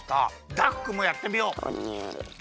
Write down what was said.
ダクくんもやってみよう。